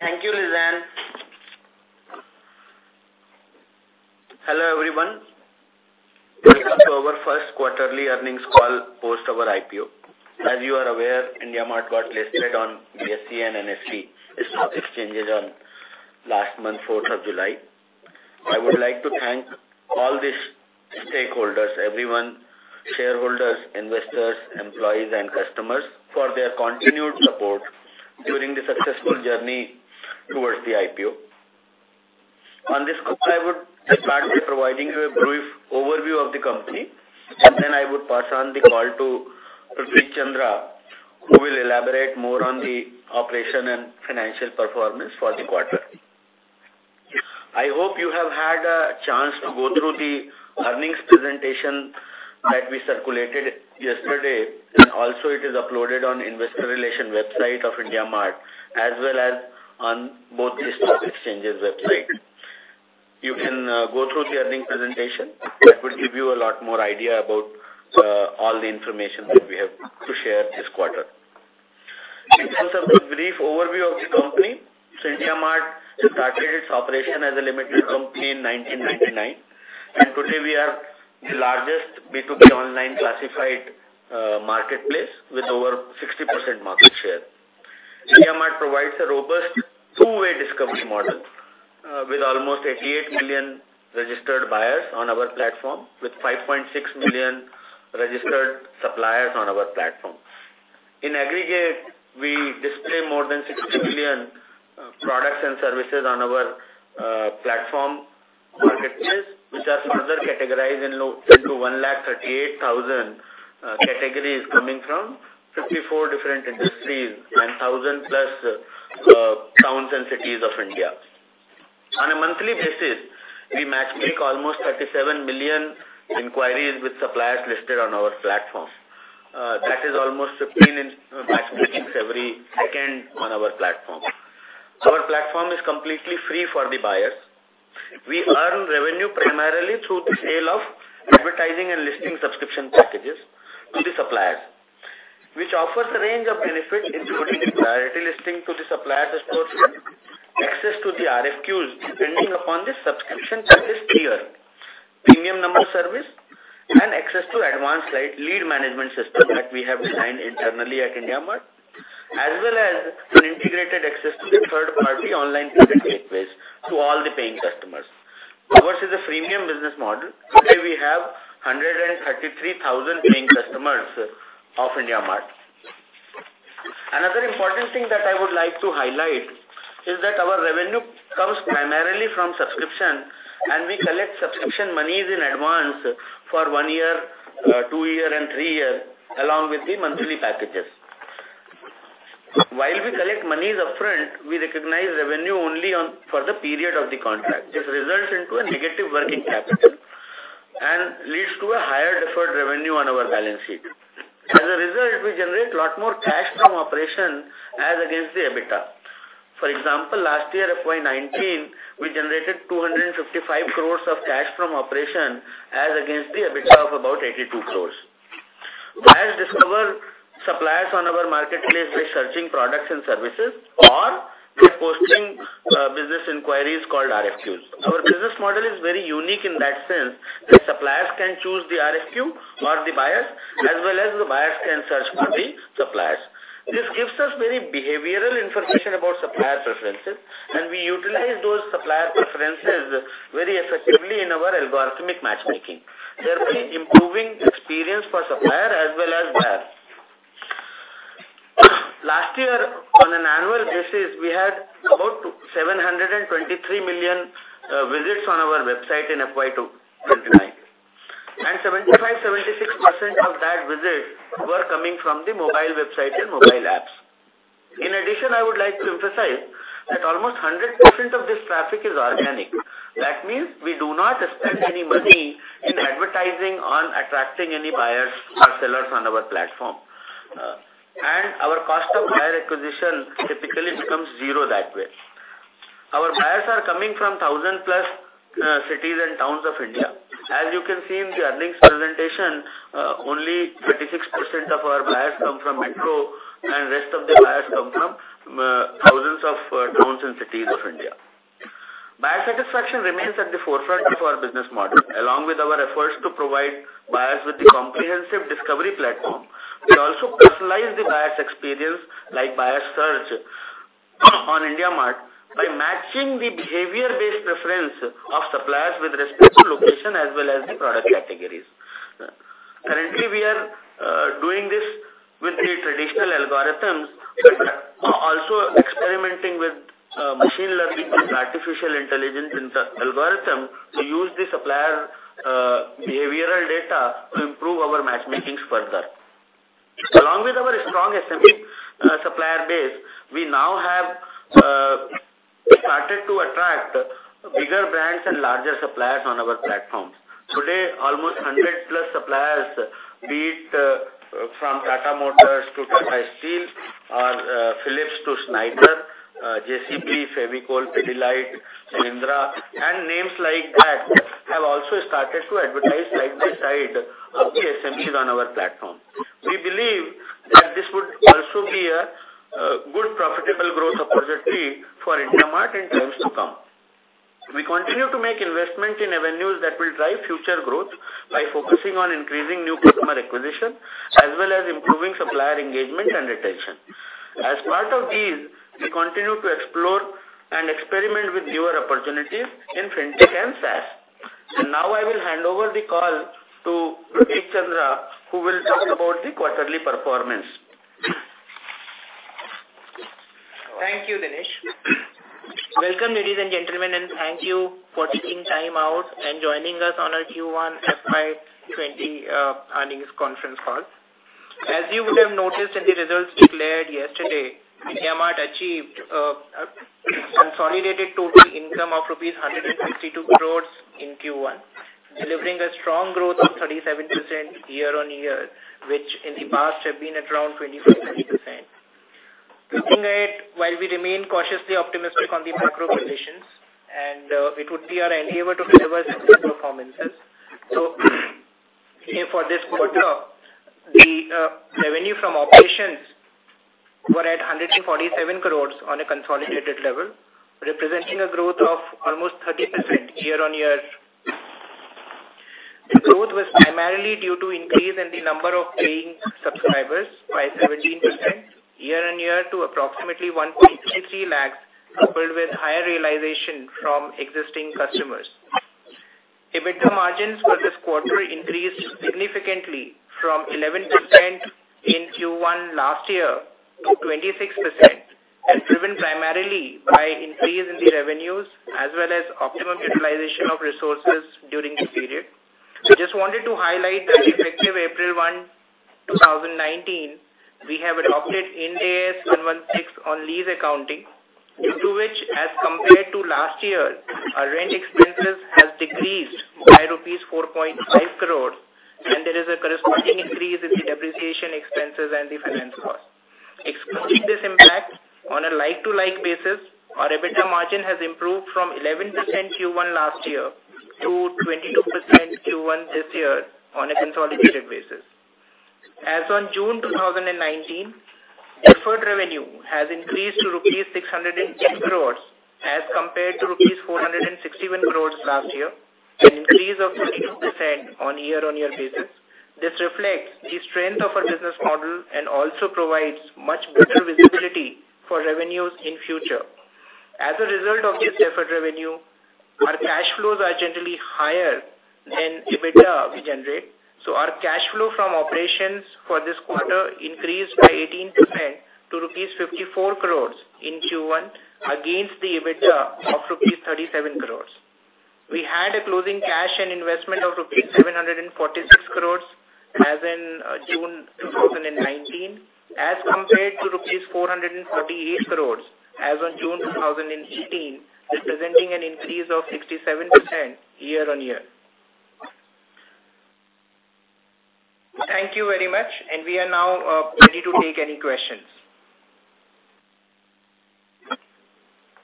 Thank you, Lizanne. Hello, everyone. Welcome to our first quarterly earnings call post our IPO. As you are aware, IndiaMART got listed on BSE and NSE stock exchanges on last month, 4th of July. I would like to thank all the stakeholders, everyone, shareholders, investors, employees, and customers for their continued support during the successful journey towards the IPO. On this call, I would start by providing you a brief overview of the company, and then I would pass on the call to Prateek Chandra, who will elaborate more on the operation and financial performance for the quarter. I hope you have had a chance to go through the earnings presentation that we circulated yesterday, and also it is uploaded on investor relation website of IndiaMART, as well as on both the stock exchange's website. You can go through the earning presentation. That would give you a lot more idea about all the information that we have to share this quarter. First of all, a brief overview of the company. IndiaMART started its operation as a limited company in 1999, and today we are the largest B2B online classified marketplace with over 60% market share. IndiaMART provides a robust two-way discovery model, with almost 88 million registered buyers on our platform, with 5.6 million registered suppliers on our platform. In aggregate, we display more than 60 million products and services on our platform marketplace, which are further categorized into 138,000 categories coming from 54 different industries and 1,000 plus towns and cities of India. On a monthly basis, we matchmake almost 37 million inquiries with suppliers listed on our platforms. That is almost 15 matchmakings every second on our platform. Our platform is completely free for the buyers. We earn revenue primarily through the sale of advertising and listing subscription packages to the suppliers, which offers a range of benefits, including priority listing to the suppliers' portfolio, access to the RFQs depending upon the subscription service tier, premium number service, and access to advanced lead management system that we have designed internally at IndiaMART, as well as an integrated access to the third-party online payment gateways to all the paying customers. Ours is a freemium business model. Today we have 133,000 paying customers of IndiaMART. Another important thing that I would like to highlight is that our revenue comes primarily from subscription, and we collect subscription monies in advance for one year, two year, and three year, along with the monthly packages. While we collect monies upfront, we recognize revenue only for the period of the contract. This results into a negative working capital and leads to a higher deferred revenue on our balance sheet. As a result, we generate a lot more cash from operation as against the EBITDA. For example, last year, FY 2019, we generated 255 crores of cash from operation as against the EBITDA of about 82 crores. Buyers discover suppliers on our marketplace by searching products and services or by posting business inquiries called RFQs. Our business model is very unique in that sense, that suppliers can choose the RFQ or the buyers, as well as the buyers can search for the suppliers. This gives us very behavioral information about supplier preferences, and we utilize those supplier preferences very effectively in our algorithmic matchmaking, thereby improving experience for supplier as well as buyers. Last year, on an annual basis, we had about 723 million visits on our website in FY 2019, and 75%-76% of that visit were coming from the mobile website and mobile apps. In addition, I would like to emphasize that almost 100% of this traffic is organic. That means we do not spend any money in advertising on attracting any buyers or sellers on our platform. Our cost of buyer acquisition typically becomes zero that way. Our buyers are coming from 1,000 plus cities and towns of India. As you can see in the earnings presentation, only 36% of our buyers come from metro and rest of the buyers come from thousands of towns and cities of India. Buyer satisfaction remains at the forefront of our business model. Along with our efforts to provide buyers with a comprehensive discovery platform, we also personalize the buyer's experience, like buyer search on IndiaMART, by matching the behavior-based preference of suppliers with respect to location as well as the product categories. Currently, we are doing this with the traditional algorithms, but also experimenting with machine learning and artificial intelligence in the algorithm to use the supplier behavioral data to improve our matchmakings further. Along with our strong SME supplier base, we now have started to attract bigger brands and larger suppliers on our platform. Today, almost 100 plus suppliers, be it from Tata Motors to Tata Steel or Philips to Schneider, JCB, Fevicol, Pidilite, Mahindra, and names like that, have also started to advertise side by side of the SMEs on our platform. We believe that this would also be a good profitable growth opportunity for IndiaMART in times to come. We continue to make investment in avenues that will drive future growth by focusing on increasing new customer acquisition, as well as improving supplier engagement and retention. As part of these, we continue to explore and experiment with newer opportunities in FinTech and SaaS. I will hand over the call to P. Chandra, who will talk about the quarterly performance. Thank you, Dinesh. Welcome, ladies and gentlemen, and thank you for taking time out and joining us on our Q1 FY 2020 earnings conference call. As you would have noticed in the results declared yesterday, IndiaMART achieved a consolidated total income of rupees 162 crores in Q1, delivering a strong growth of 37% year-on-year, which in the past had been at around 25%. Looking at it, while we remain cautiously optimistic on the macro positions, and it would be our enabler to deliver similar performances. For this quarter, the revenue from operations were at 147 crores on a consolidated level, representing a growth of almost 30% year-on-year. The growth was primarily due to increase in the number of paying subscribers by 17% year-on-year to approximately 1.63 lakhs, coupled with higher realization from existing customers. EBITDA margins for this quarter increased significantly from 11% in Q1 last year to 26%, as driven primarily by increase in the revenues as well as optimum utilization of resources during the period. Just wanted to highlight that effective April 1, 2019, we have adopted Ind AS 116 on lease accounting, due to which, as compared to last year, our rent expenses has decreased by rupees 4.5 crores, and there is a corresponding increase in the depreciation expenses and the finance cost. Excluding this impact, on a like-to-like basis, our EBITDA margin has improved from 11% Q1 last year to 22% Q1 this year on a consolidated basis. As on June 2019, deferred revenue has increased to rupees 610 crores as compared to rupees 461 crores last year, an increase of 32% on year-over-year basis. This reflects the strength of our business model and also provides much better visibility for revenues in future. As a result of this deferred revenue, our cash flows are generally higher than EBITDA we generate. Our cash flow from operations for this quarter increased by 18% to rupees 54 crores in Q1 against the EBITDA of rupees 37 crores. We had a closing cash and investment of rupees 746 crores as in June 2019 as compared to rupees 438 crores as on June 2018, representing an increase of 67% year-on-year. Thank you very much, and we are now ready to take any questions.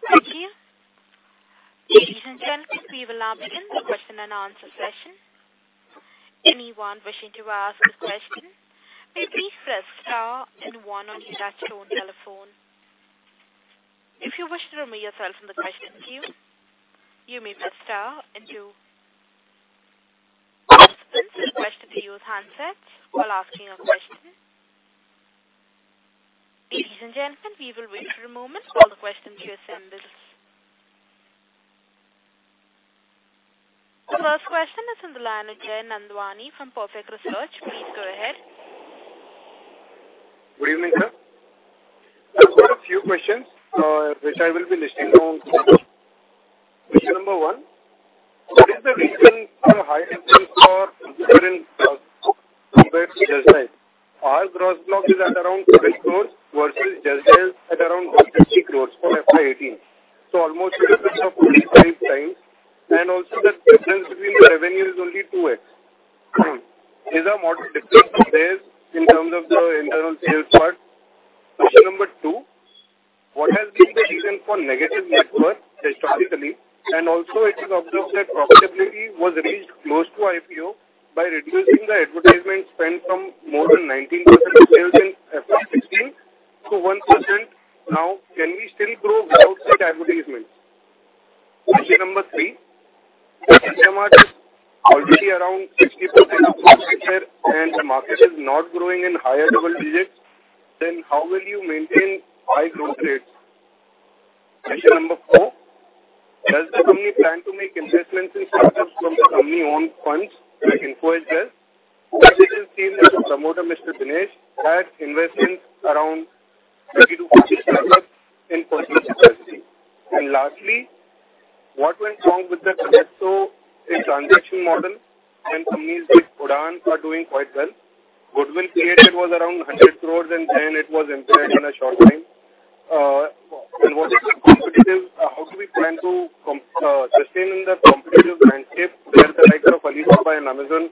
Thank you. Ladies and gentlemen, we will now begin the question and answer session. Anyone wishing to ask a question, may please press star and one on your touchtone telephone. If you wish to remove yourself from the question queue, you may press Star and two. Please listen to the question queue's handsets while asking your question. Ladies and gentlemen, we will wait for a moment while the question queue assembles. The first question is from the line of Jay Nandwani from Perfect Research. Please go ahead. Good evening, Sir. I have got a few questions, which I will be listing now. Question number 1: What is the reason for high expenses compared to JustDial? Our gross block is at around 30 crore versus JustDial's at around 150 crore for FY 2018. Almost difference of 25 times, and also the difference between the revenue is only 2x. Is our model different from theirs in terms of the internal sales part? Question number two: What has been the reason for negative net worth historically? Also it is observed that profitability was reached close to IPO by reducing the advertisement spend from more than 19% sales in FY 2016 to 1% now. Can we still grow without such advertisements? Question number three: IndiaMART already around 60% of full stacker and the market is not growing in higher double digits, then how will you maintain high growth rates? Question number four: Does the company plan to make investments in startups from the company own funds like Info Edge does? It is seen that the promoter, Mr. Dinesh, had invested around INR 30 to INR 40 crores in PersonalFN. Lastly, what went wrong with the Tolexo transaction model when companies like Udaan are doing quite well? Goodwill created was around 100 crores and then it was impaired in a short time. How do we plan to sustain in the competitive landscape where the likes of PolicyBazaar and Amazon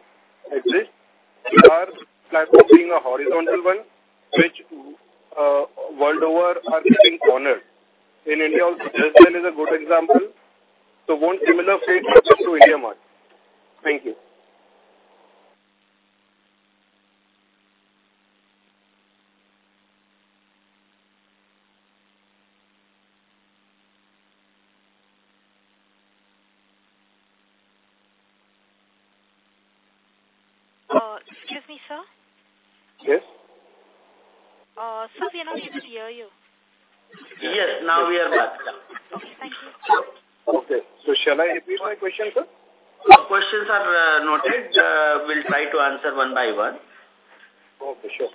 exist? Our platform being a horizontal one, which world over are getting cornered. In India also, Justdial is a good example. Won't similar fate happen to IndiaMART? Thank you. Excuse me, sir. Yes. Sir, we are not able to hear you. Yes, now we are back. Okay. Thank you. Okay. Shall I repeat my question, sir? Your questions are noted. We'll try to answer one by one. Okay, sure.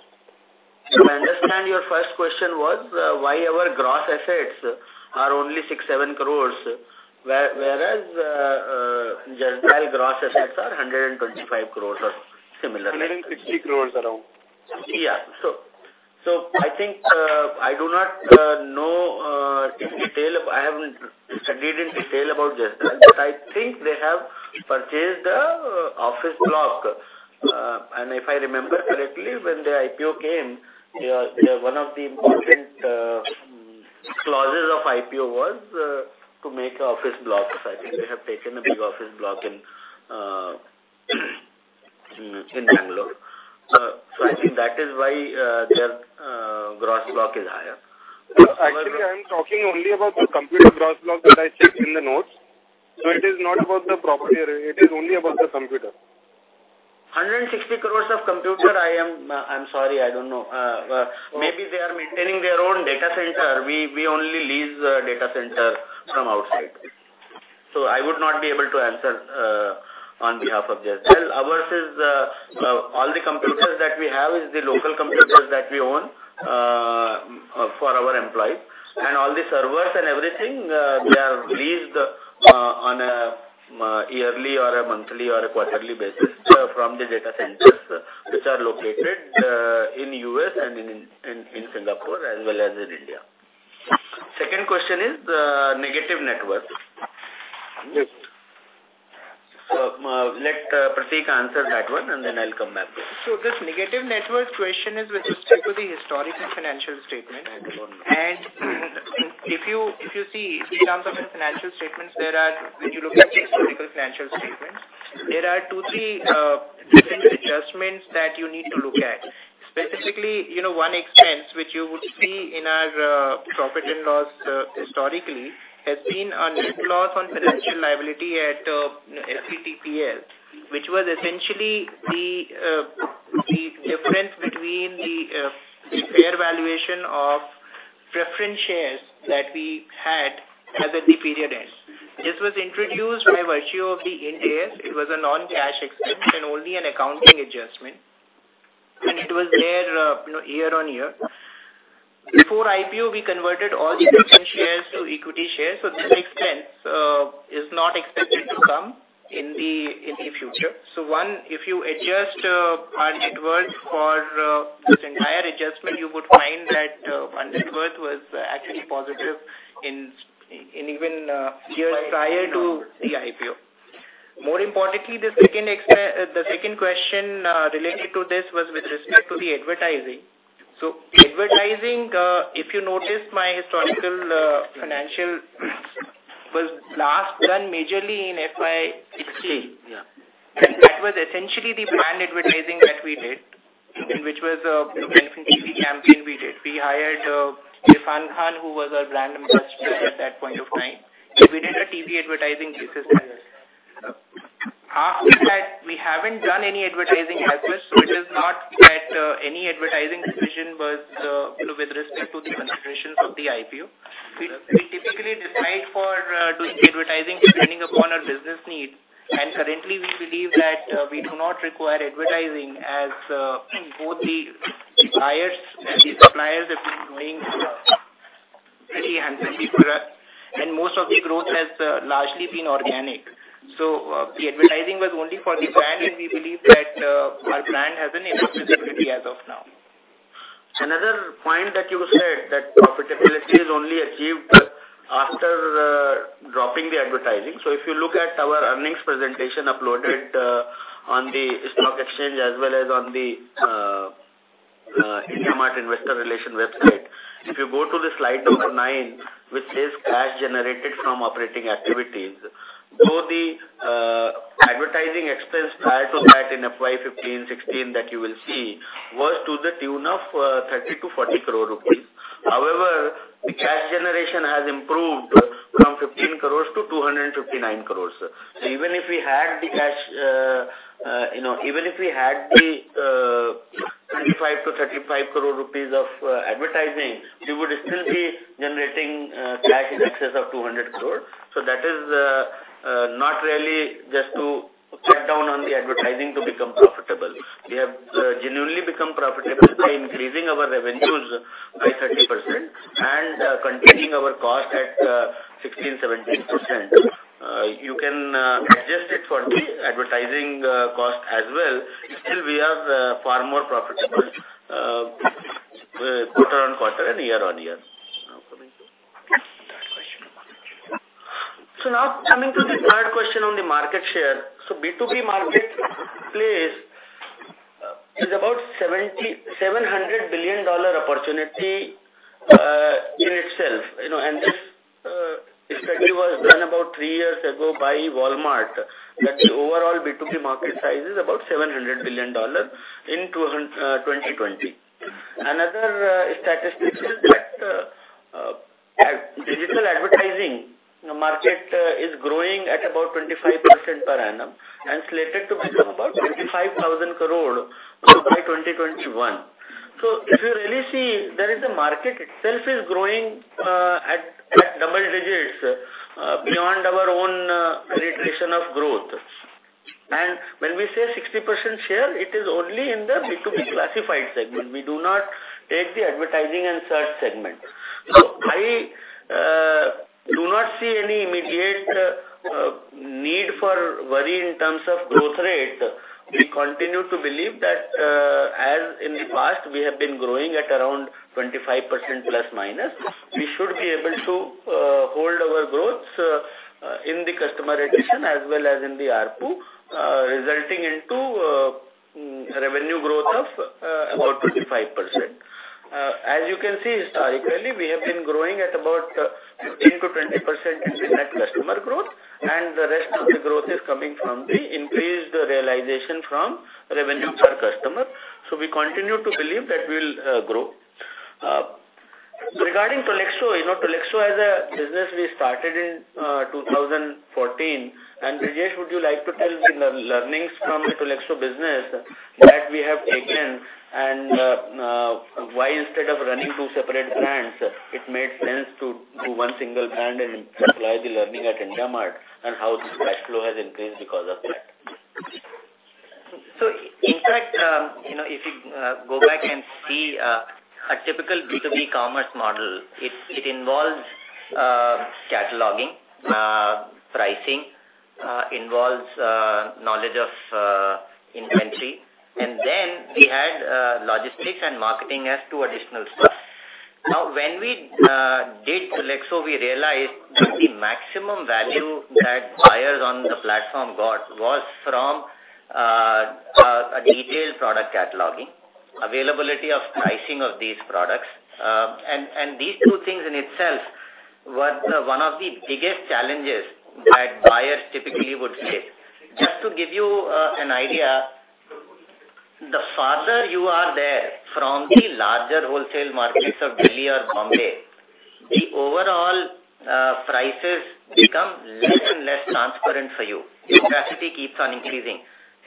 If I understand, your first question was, why our gross assets are only 6, 7 crores, whereas Jeslan gross assets are 125 crores or similar. 160 crores around. I think I do not know in detail. I haven't studied in detail about Jeslan, but I think they have purchased the office block. If I remember correctly, when their IPO came, one of the important clauses of IPO was to make office blocks. I think they have taken a big office block in Bangalore. I think that is why their gross block is higher. Actually, I'm talking only about the computer gross block that I checked in the notes. It is not about the property. It is only about the computer. 160 crore of computer, I'm sorry, I don't know. Maybe they are maintaining their own data center. We only lease data center from outside. I would not be able to answer on behalf of Jeslan. Ours is, all the computers that we have is the local computers that we own for our employees, and all the servers and everything, they are leased on a yearly or a monthly or a quarterly basis from the data centers which are located in U.S. and in Singapore as well as in India. Second question is negative net worth. Yes. Let Prateek answer that one, and then I'll come back. This negative net worth question is with respect to the historical financial statement. If you see in terms of its financial statements, when you look at historical financial statements, there are two, three different adjustments that you need to look at. Specifically, one expense which you would see in our profit and loss historically has been a loss on financial liability at FVTPL, which was essentially the difference between the fair valuation of preference shares that we had as at the period end. This was introduced by virtue of the Ind AS. It was a non-cash expense and only an accounting adjustment. It was there year on year. Before IPO, we converted all preference shares to equity shares. This expense is not expected to come in the future. One, if you adjust our net worth for this entire adjustment, you would find that our net worth was actually positive in even years prior to the IPO. More importantly, the second question related to this was with respect to the advertising. Advertising, if you noticed, my historical financial was last done majorly in FY 2016. Yeah. That was essentially the brand advertising that we did, which was a television campaign we did. We hired Irrfan Khan, who was our brand ambassador at that point of time. We did a TV advertising business. After that, we haven't done any advertising as such, so it is not that any advertising decision was with respect to the considerations of the IPO. We typically decide for doing advertising depending upon our business need. Currently, we believe that we do not require advertising as both the buyers and the suppliers have been doing pretty handsomely for us, and most of the growth has largely been organic. The advertising was only for the brand, and we believe that our brand has an immortality as of now. Another point that you said that profitability is only achieved after dropping the advertising. If you look at our earnings presentation uploaded on the stock exchange as well as on the IndiaMART Investor Relations website, if you go to the slide number nine, which says Cash Generated from Operating Activities. Though the advertising expense prior to that in FY 2015, 2016 that you will see, was to the tune of 30 crore-40 crore rupees. However, the cash generation has improved from 15 crore to 259 crore. Even if we had the 25 crore-35 crore rupees of advertising, we would still be generating cash in excess of 200 crore. That is not really just to cut down on the advertising to become profitable. We have genuinely become profitable by increasing our revenues by 30% and containing our cost at 16%-17%. You can adjust it for the advertising cost as well. Still we are far more profitable quarter-on-quarter and year-on-year now coming forward. Now coming to the third question on the market share. B2B marketplace is about $700 billion opportunity in itself. This study was done about three years ago by Walmart, that the overall B2B market size is about $700 billion in 2020. Another statistic is that digital advertising market is growing at about 25% per annum and slated to become about 25,000 crore by 2021. If you really see, there is a market itself is growing at double digits beyond our own penetration of growth. When we say 60% share, it is only in the B2B classified segment. We do not take the advertising and search segment. I do not see any immediate need for worry in terms of growth rate. We continue to believe that as in the past, we have been growing at around 25% plus minus. We should be able to hold our growths in the customer addition as well as in the ARPU, resulting into revenue growth of about 25%. As you can see historically, we have been growing at about 15%-20% in net customer growth, and the rest of the growth is coming from the increased realization from revenue per customer. We continue to believe that we'll grow. Regarding Tolexo as a business we started in 2014, and Brijesh, would you like to tell the learnings from the Tolexo business that we have taken and why instead of running two separate brands, it made sense to do one single brand and apply the learning at IndiaMART and how the cash flow has increased because of that? In fact, if you go back and see a typical B2B commerce model, it involves cataloging, pricing, involves knowledge of inventory, and then we add logistics and marketing as two additional steps. When we did Tolexo, we realized that the maximum value that buyers on the platform got was from a detailed product cataloging, availability of pricing of these products. These two things in itself were one of the biggest challenges that buyers typically would face. Just to give you an idea, the farther you are there from the larger wholesale markets of Delhi or Bombay, the overall prices become less and less transparent for you. Imprecision keeps on increasing.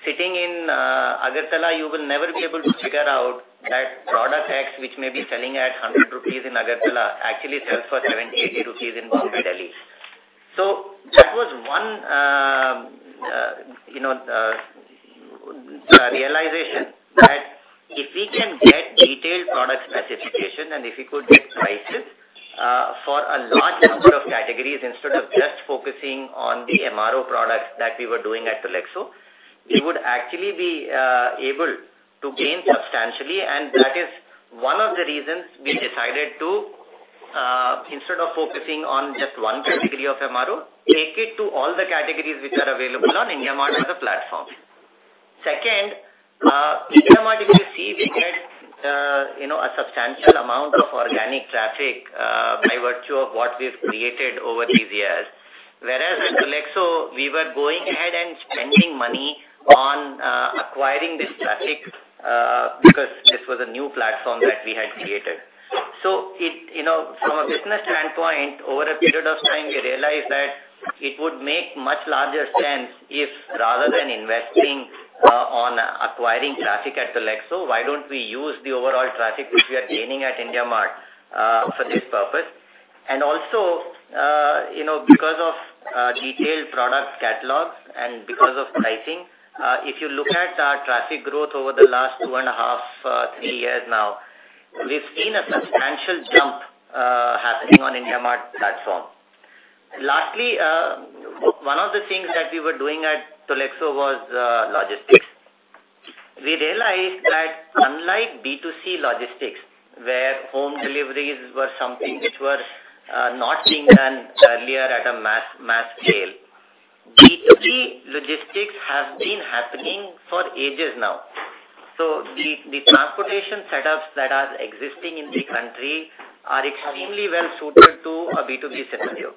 Sitting in Agartala, you will never be able to figure out that product X, which may be selling at 100 rupees in Agartala, actually sells for 70 rupees, 80 rupees in Bombay, Delhi. That was one realization that if we can get detailed product specification and if we could get prices for a large number of categories instead of just focusing on the MRO products that we were doing at Tolexo, we would actually be able to gain substantially, and that is one of the reasons we decided to instead of focusing on just one category of MRO, take it to all the categories which are available on IndiaMART as a platform. Second, IndiaMART, if you see, we get a substantial amount of organic traffic by virtue of what we've created over these years. Whereas at Tolexo, we were going ahead and spending money on acquiring this traffic because this was a new platform that we had created. From a business standpoint, over a period of time, we realized that it would make much larger sense if rather than investing on acquiring traffic at Tolexo, why don't we use the overall traffic which we are gaining at IndiaMART for this purpose? Also because of detailed product catalogs and because of pricing, if you look at our traffic growth over the last two and a half, three years now, we've seen a substantial jump happening on IndiaMART platform. Lastly, one of the things that we were doing at Tolexo was logistics. We realized that unlike B2C logistics, where home deliveries were something which were not being done earlier at a mass scale, B2B logistics has been happening for ages now. The transportation setups that are existing in the country are extremely well suited to a B2B scenario.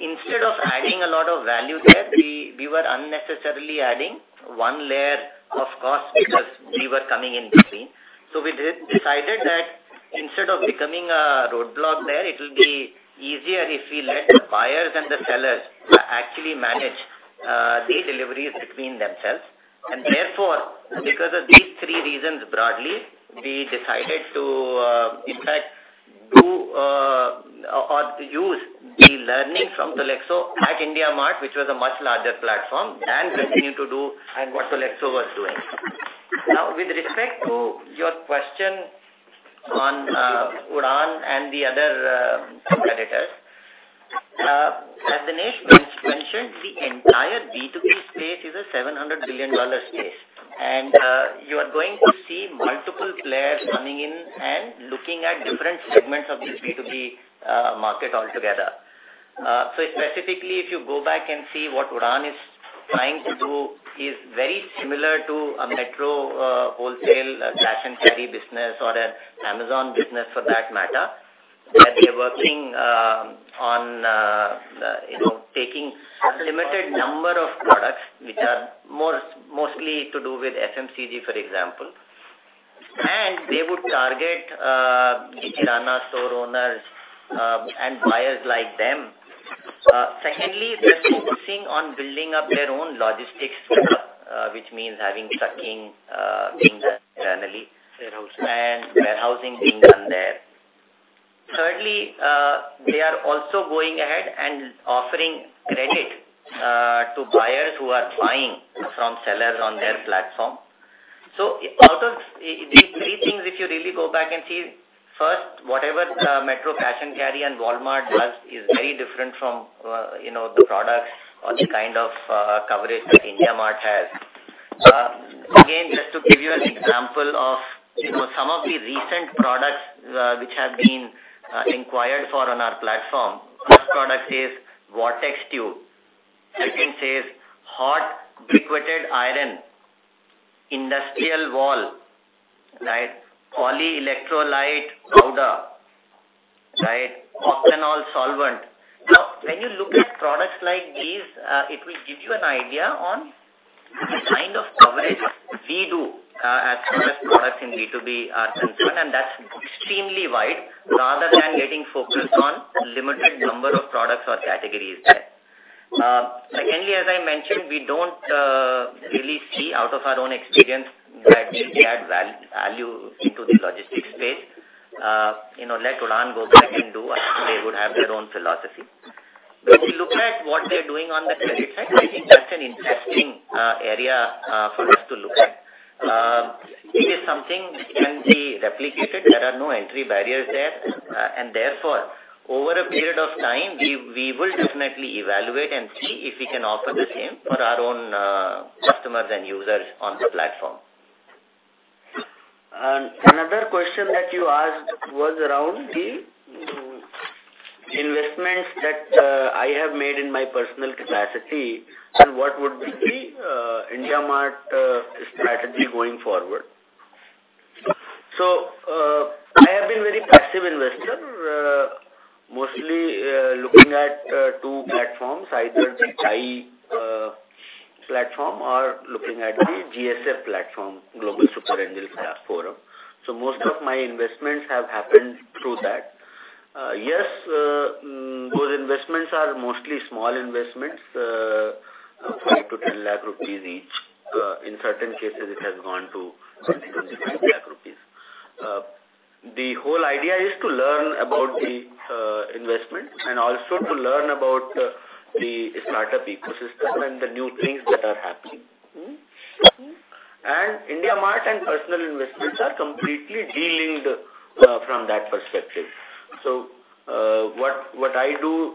Instead of adding a lot of value there, we were unnecessarily adding one layer of cost because we were coming in between. We decided that instead of becoming a roadblock there, it will be easier if we let the buyers and the sellers actually manage the deliveries between themselves. Therefore, because of these three reasons broadly, we decided to in fact do or use the learning from Tolexo at IndiaMART, which was a much larger platform than continue to do and what Tolexo was doing. Now, with respect to your question on Udaan and the other competitors, as the nation B2B space is a $700 billion space, you are going to see multiple players coming in and looking at different segments of the B2B market altogether. Specifically, if you go back and see what Udaan is trying to do, is very similar to a METRO wholesale Cash & Carry business or an Amazon business for that matter, where they're working on taking a limited number of products, which are mostly to do with FMCG, for example, and they would target the kirana store owners and buyers like them. Secondly, they're focusing on building up their own logistics, which means having trucking being done internally. Warehouse Warehousing being done there. Thirdly, they are also going ahead and offering credit to buyers who are buying from sellers on their platform. Out of these three things, if you really go back and see, first, whatever Metro Cash & Carry and Walmart does is very different from the products or the kind of coverage that IndiaMART has. Again, just to give you an example of some of the recent products which have been inquired for on our platform. First product is vortex tube. Second is hot briquetted iron. industrial valve. polyelectrolyte powder. OCtanol solvent. Now, when you look at products like these, it will give you an idea on the kind of coverage we do as far as products in B2B are concerned, and that is extremely wide rather than getting focused on a limited number of products or categories there. Secondly, as I mentioned, we don't really see out of our own experience that they add value to the logistics space. Let Udaan go back and do what they would have their own philosophy. When we look at what they're doing on the credit side, I think that's an interesting area for us to look at. It is something can be replicated. There are no entry barriers there. Therefore, over a period of time, we will definitely evaluate and see if we can offer the same for our own customers and users on the platform. Another question that you asked was around the investments that I have made in my personal capacity and what would be IndiaMART strategy going forward. I have been very passive investor, mostly looking at two platforms, either the CHAI platform or looking at the GSF platform, Global Super Angel Forum. Most of my investments have happened through that. Yes, those investments are mostly small investments, 3 lakh-10 lakh rupees each. In certain cases, it has gone to 15 lakh rupees. The whole idea is to learn about the investment and also to learn about the startup ecosystem and the new things that are happening. IndiaMART and personal investments are completely de-linked from that perspective. What I do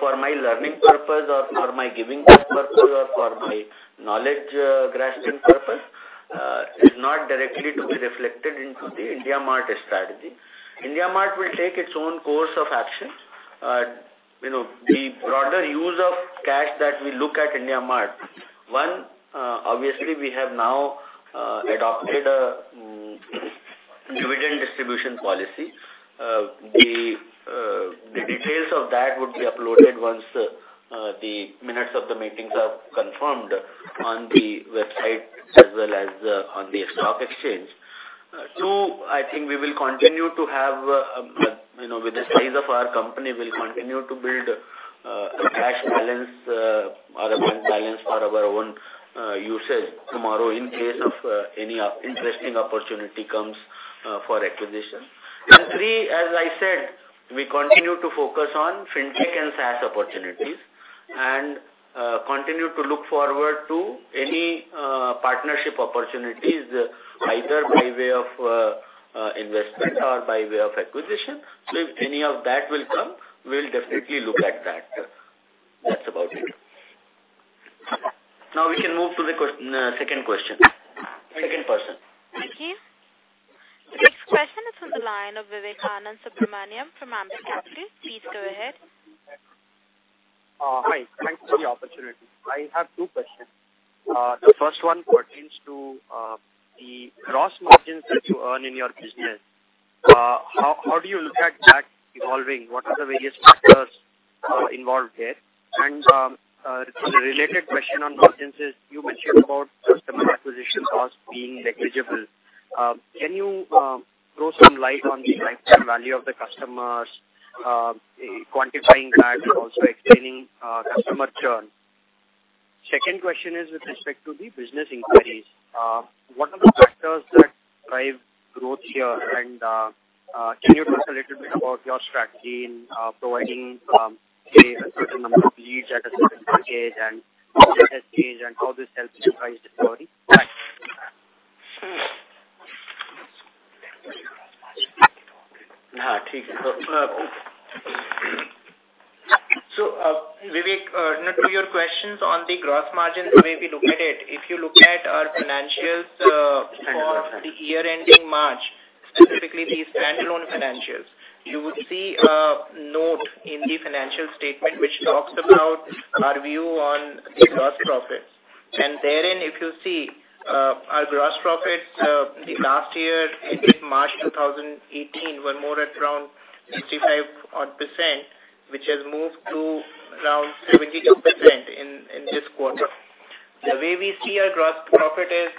for my learning purpose or for my giving back purpose or for my knowledge grasping purpose is not directly to be reflected into the IndiaMART strategy. IndiaMART will take its own course of action. The broader use of cash that we look at IndiaMART, one, obviously we have now adopted a dividend distribution policy. The details of that would be uploaded once the minutes of the meetings are confirmed on the website as well as on the stock exchange. Two, I think with the size of our company, we'll continue to build a cash balance or a bank balance for our own usage tomorrow in case any interesting opportunity comes for acquisition. Three, as I said, we continue to focus on FinTech and SaaS opportunities and continue to look forward to any partnership opportunities, either by way of investment or by way of acquisition. If any of that will come, we'll definitely look at that. That's about it. Now we can move to the second question. Second person. Thank you. The next question is on the line of Vivek Anandasubramanian from Ambit Capital. Please go ahead. Hi, thanks for the opportunity. I have two questions. The first one pertains to the gross margins that you earn in your business. How do you look at that evolving? What are the various factors involved there? A related question on margins is, you mentioned about customer acquisition costs being negligible. Can you throw some light on the lifetime value of the customers, quantifying that and also explaining customer churn? Second question is with respect to the business inquiries. What are the factors that drive growth here, and can you talk a little bit about your strategy in providing a certain number of leads at a certain package and data stage and how this helps in price discovery? Okay. Vivek, to your questions on the gross margins, the way we look at it, if you look at our financials for the year ending March, specifically the standalone financials, you would see a note in the financial statement which talks about our view on the gross profits. Therein, if you see our gross profits, the last year ending March 2018, were more at around 65-odd percentage, which has moved to around 72% in this quarter. The way we see our gross profit is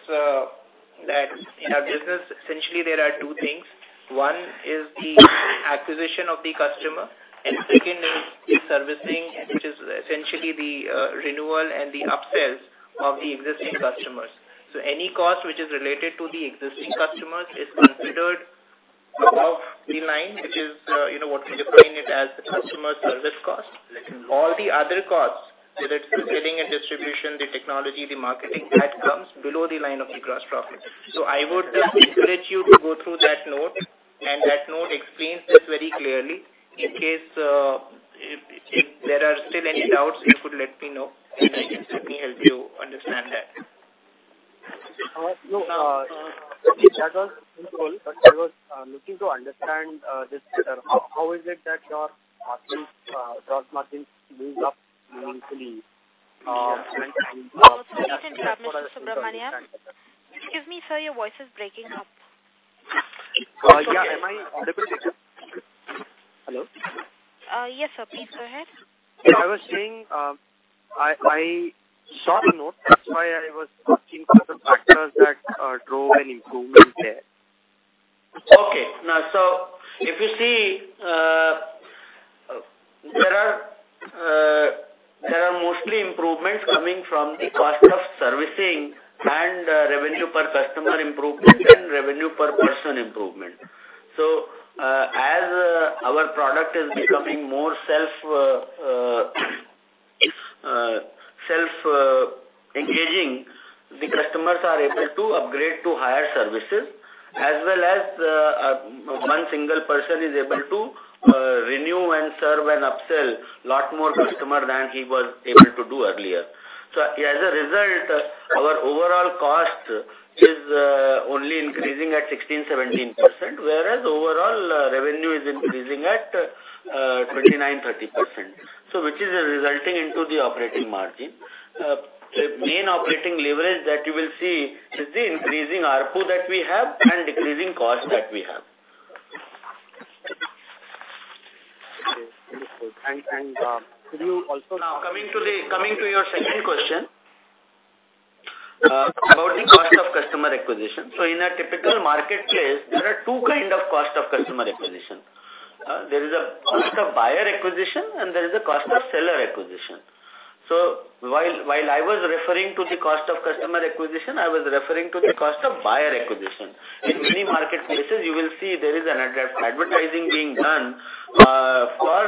that in our business, essentially there are two things. One is the acquisition of the customer, and second is the servicing, which is essentially the renewal and the upsells of the existing customers. Any cost which is related to the existing customers is considered above the line, which is what we define it as the customer service cost. All the other costs related to getting and distribution, the technology, the marketing, that comes below the line of the gross profit. I would encourage you to go through that note, and that note explains this very clearly. In case there are still any doubts, you could let me know and I can certainly help you understand that. No. That was in role, but I was looking to understand this better. How is it that your gross margins moved up meaningfully? Also recently, Mr. Subramanian. Excuse me, sir, your voice is breaking up. Yeah. Am I audible? Hello. Yes, sir. Please go ahead. I was saying, I saw the note. That's why I was looking for the factors that drove an improvement there. If you see, there are mostly improvements coming from the cost of servicing and revenue per customer improvement and revenue per person improvement. As our product is becoming more self-engaging, the customers are able to upgrade to higher services as well as one single person is able to renew and serve and upsell lot more customer than he was able to do earlier. As a result, our overall cost is only increasing at 16%-17%, whereas overall revenue is increasing at 29%-30%. Which is resulting into the operating margin. Main operating leverage that you will see is the increasing ARPU that we have and decreasing cost that we have. Okay. Understood. Could you also- Coming to your second question about the cost of customer acquisition. In a typical marketplace, there are two kind of cost of customer acquisition. There is a cost of buyer acquisition and there is a cost of seller acquisition. While I was referring to the cost of customer acquisition, I was referring to the cost of buyer acquisition. In many marketplaces, you will see there is an advertising being done for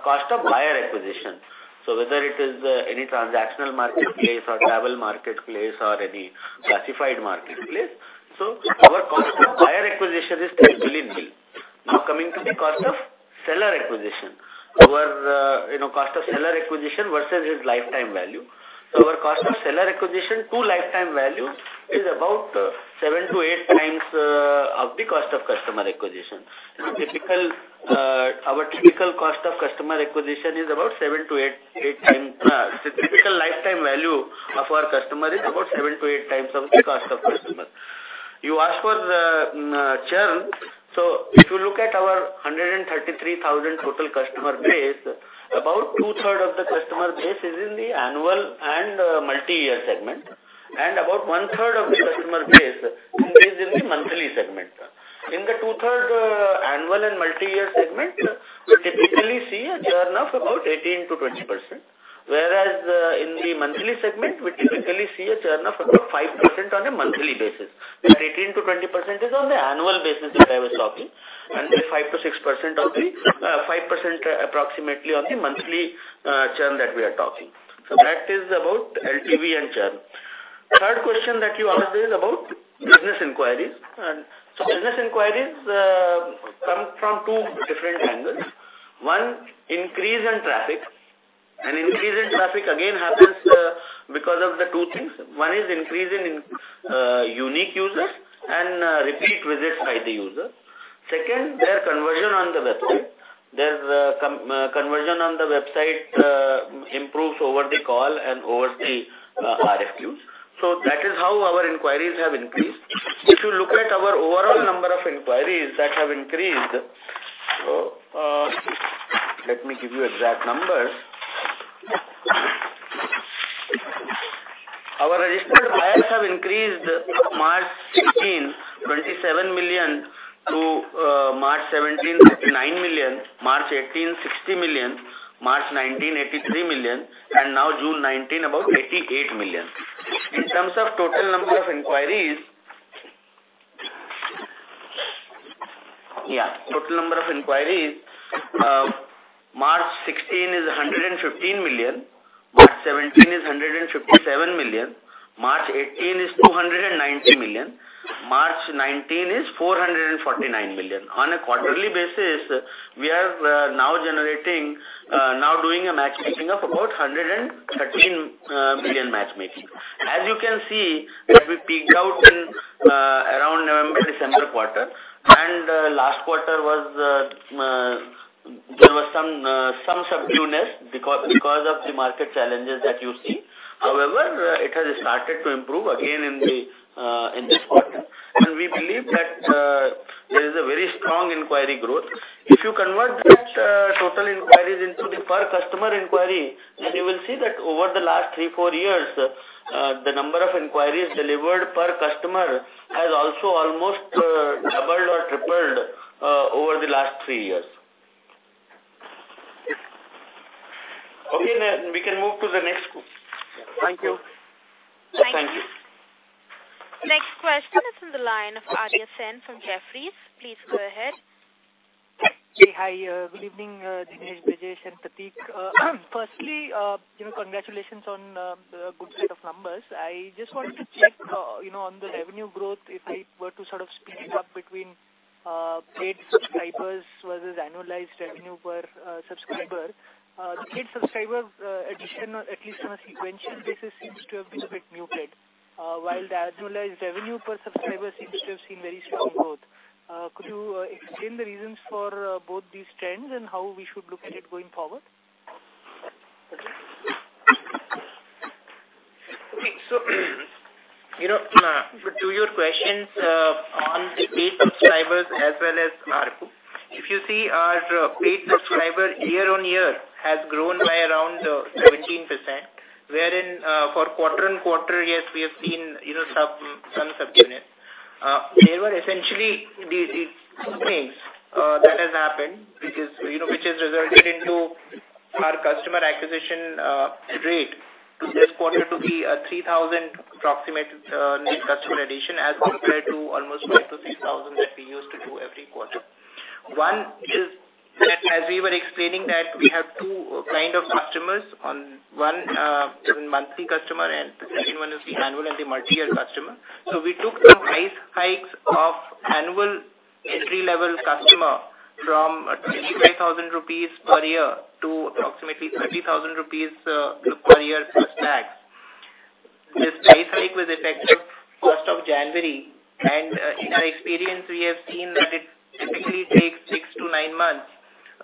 cost of buyer acquisition. Whether it is any transactional marketplace or travel marketplace or any classified marketplace. Our cost of buyer acquisition is INR 10 billion mil. Coming to the cost of seller acquisition. Our cost of seller acquisition versus its lifetime value. Our cost of seller acquisition to lifetime value is about seven to eight times of the cost of customer acquisition. Our typical cost of customer acquisition is about seven to eight times. The typical lifetime value of our customer is about seven to eight times of the cost of customer. You asked for the churn. If you look at our 133,000 total customer base, about two-thirds of the customer base is in the annual and multi-year segment, and about one-third of the customer base is in the monthly segment. In the two-thirds annual and multi-year segment, we typically see a churn of about 18%-20%, whereas in the monthly segment, we typically see a churn of about 5% on a monthly basis. That 18%-20% is on the annual basis that I was talking, and the 5% approximately on the monthly churn that we are talking. That is about LTV and churn. Third question that you asked is about business inquiries. Business inquiries come from two different angles. One, increase in traffic. Increase in traffic again happens because of the two things. One is increase in unique users and repeat visits by the user. Second, their conversion on the website. Their conversion on the website improves over the call and over the RFQs. That is how our inquiries have increased. If you look at our overall number of inquiries that have increased, let me give you exact numbers. Our registered buyers have increased March 2016, INR 27 million to March 2017, INR 39 million, March 2018, INR 60 million, March 2019, INR 83 million, and now June 2019, about INR 88 million. In terms of total number of inquiries. Total number of inquiries 115 million. March 2017 is 157 million. March 2018 is 290 million. March 2019 is 449 million. On a quarterly basis, we are now doing a matchmaking of about 113 million matchmaking. As you can see, that we peaked out in around November-December quarter. Last quarter, there was some softness because of the market challenges that you see. However, it has started to improve again in this quarter, and we believe that there is a very strong inquiry growth. If you convert that total inquiries into the per customer inquiry, then you will see that over the last three-four years, the number of inquiries delivered per customer has also almost doubled or tripled over the last three years. Okay, we can move to the next group. Thank you. Thank you. Next question is on the line of Arya Sen from Jefferies. Please go ahead. Hi, good evening Dinesh, Brijesh and Prateek. Firstly, congratulations on the good set of numbers. I just wanted to check on the revenue growth, if I were to sort of split it up between paid subscribers versus annualized revenue per subscriber. The paid subscriber addition, at least on a sequential basis, seems to have been a bit muted. While the annualized revenue per subscriber seems to have seen very strong growth. Could you explain the reasons for both these trends and how we should look at it going forward? Okay. To your questions on the paid subscribers as well as ARPU. If you see our paid subscriber year-on-year has grown by around 17%, wherein for quarter-on-quarter, yes, we have seen some subtleness. There were essentially these things that have happened, which has resulted into our customer acquisition rate this quarter to be 3,000 approximate net customer addition, as compared to almost 5,000 to 6,000 that we used to do every quarter. One is that as we were explaining that we have two kind of customers. One is a monthly customer and the second one is the annual and the multi-year customer. We took some price hikes of annual entry-level customer from 25,000 rupees per year to approximately 30,000 rupees per year plus tax. This price hike was effective first of January. In our experience, we have seen that it typically takes six to nine months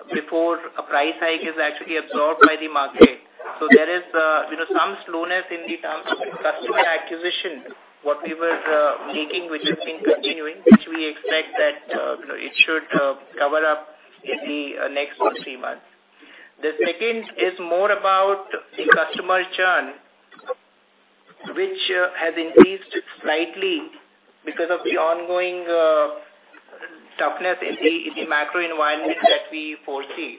before a price hike is actually absorbed by the market. There is some slowness in the terms of customer acquisition. What we were making, which has been continuing, which we expect that it should cover up in the next two, three months. The second is more about the customer churn, which has increased slightly because of the ongoing toughness in the macro environment that we foresee.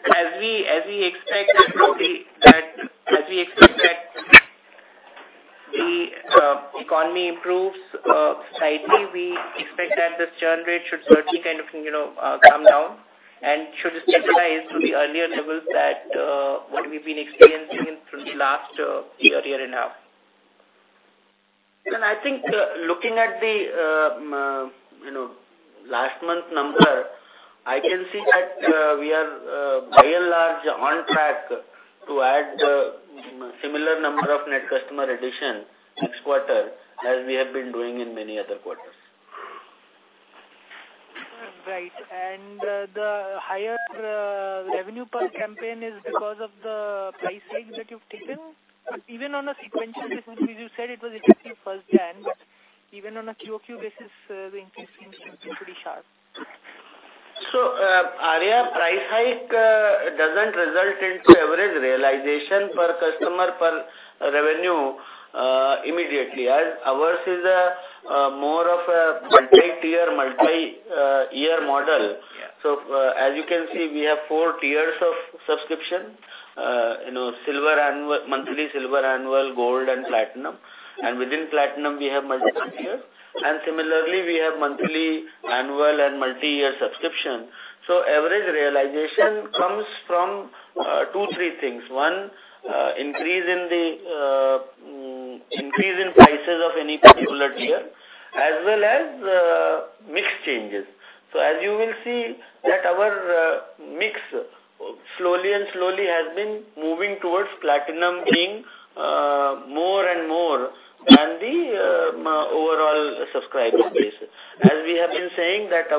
As we expect that the economy improves slightly, we expect that this churn rate should certainly come down and should stabilize to the earlier levels that what we've been experiencing from the last year-and-a-half. I think, looking at the last month number, I can see that we are by and large on track to add similar number of net customer addition next quarter as we have been doing in many other quarters. Right. The higher revenue per campaign is because of the price hike that you've taken? Even on a sequential basis, as you said it was effective first January, but even on a quarter-over-quarter basis, the increase seems to be pretty sharp. Arya, price hike doesn't result into average realization per customer per revenue immediately. Ours is a more of a multi-tier, multi-year model. Yeah. As you can see, we have four tiers of subscription. Monthly silver annual, gold and platinum. Within platinum, we have multi-year. Similarly, we have monthly, annual, and multi-year subscription. Average realization comes from two, three things. One, increase in prices of any particular tier, as well as mix changes. As you will see that our mix slowly and slowly has been moving towards platinum being more and more than the overall subscriber base. As we have been saying that 40%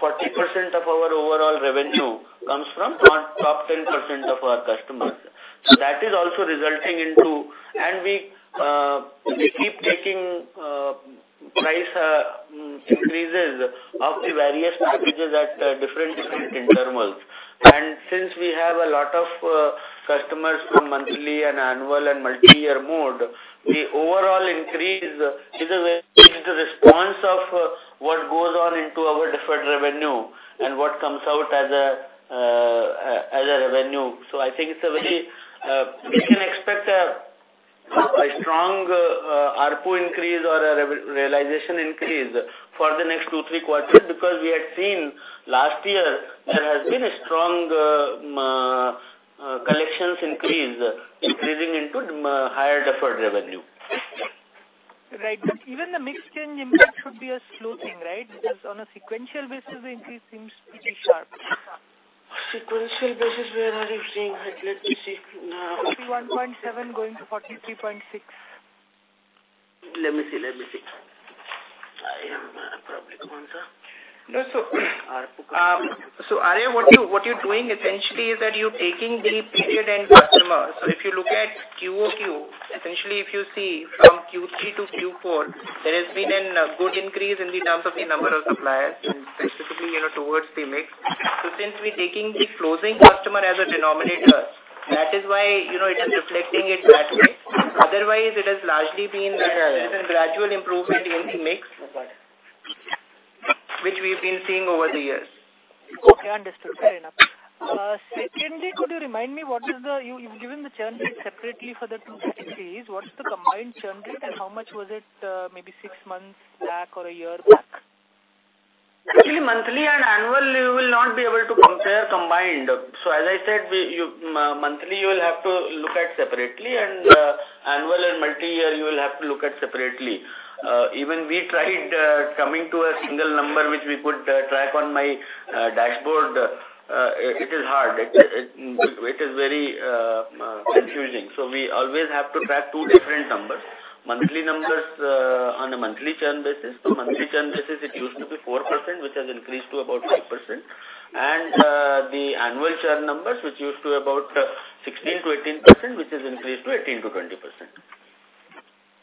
of our overall revenue comes from top 10% of our customers. We keep taking price increases of the various packages at different intervals. Since we have a lot of customers from monthly and annual and multi-year mode, the overall increase is a response of what goes on into our deferred revenue and what comes out as a revenue. I think we can expect ARPU increase or a realization increase for the next two, three quarters, because we had seen last year there has been a strong collections increase, increasing into higher deferred revenue. Right. Even the mix change impact should be a slow thing, right? On a sequential basis, the increase seems pretty sharp. Sequential basis, where are you seeing that? Let me see. 41.7 going to 43.6. Let me see. I am probably the one, sir. No. ARPU Arya, what you're doing essentially is that you're taking the period end customer. If you look at QOQ, essentially if you see from Q3 to Q4, there has been a good increase in the terms of the number of suppliers and specifically towards the mix. Since we're taking the closing customer as a denominator, that is why it is reflecting it that way. Otherwise, it has largely been. Yeah there's been gradual improvement in the mix. Okay. Which we've been seeing over the years. Okay, understood. Fair enough. Secondly, could you remind me, you've given the churn rate separately for the two series. What's the combined churn rate and how much was it maybe six months back or a year back? Actually, monthly and annual, you will not be able to compare combined. As I said, monthly you will have to look at separately, and annual and multi-year you will have to look at separately. Even we tried coming to a single number, which we put track on my dashboard. It is hard. It is very confusing. We always have to track two different numbers. Monthly numbers on a monthly churn basis. Monthly churn basis, it used to be 4%, which has increased to about 5%. The annual churn numbers, which used to about 16%-18%, which has increased to 18%-20%.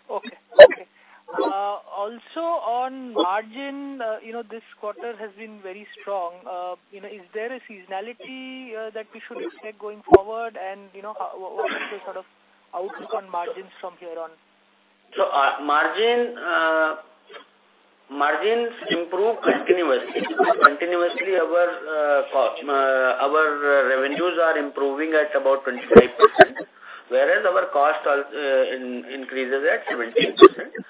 Okay. Also on margin, this quarter has been very strong. Is there a seasonality that we should expect going forward and what is the sort of outlook on margins from here on? Margins improve continuously. Continuously our revenues are improving at about 25%, whereas our cost increases at 17%.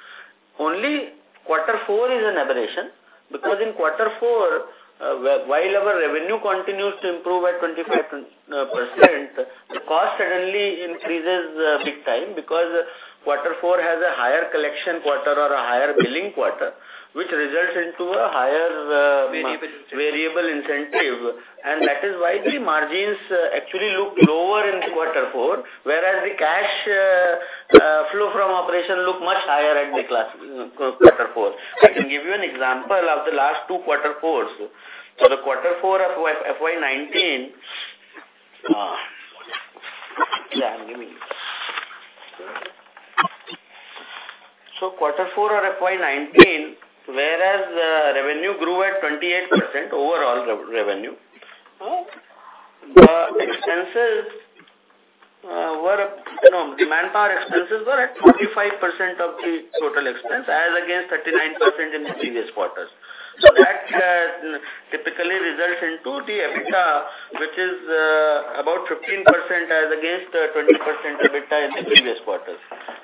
Only quarter four is an aberration, because in quarter four, while our revenue continues to improve at 25%, the cost suddenly increases big time because quarter four has a higher collection quarter or a higher billing quarter. Variable incentive. variable incentive. That is why the margins actually look lower in quarter four, whereas the cash flow from operation look much higher at the quarter four. I can give you an example of the last two quarter fours. Yeah, I'm giving you. Quarter four of FY 2019, whereas revenue grew at 28%, overall revenue. The manpower expenses were at 45% of the total expense, as against 39% in the previous quarters. That typically results into the EBITDA, which is about 15% as against 20% EBITDA in the previous quarters.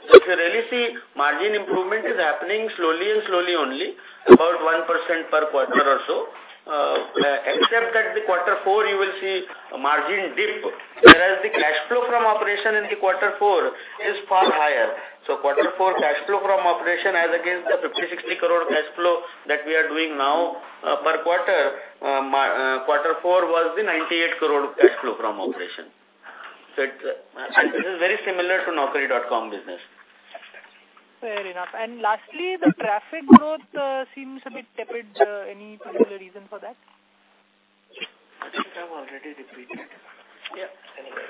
If you really see, margin improvement is happening slowly and slowly only, about 1% per quarter or so. Except at the quarter four you will see a margin dip, whereas the cash flow from operation in the quarter four is far higher. Quarter four cash flow from operation as against the 50 crore, 60 crore cash flow that we are doing now per quarter four was the 98 crore cash flow from operation. This is very similar to Naukri.com business. Fair enough. Lastly, the traffic growth seems a bit tepid. Any particular reason for that? I think I've already repeated. Yeah. Anyway.